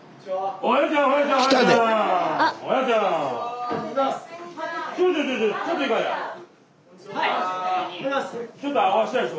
おはようございます！